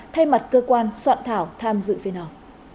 thay mặt cơ quan soạn thảo tham dự phiên họp